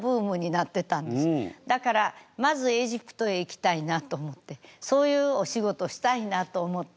だからまずエジプトへ行きたいなと思ってそういうお仕事したいなと思って。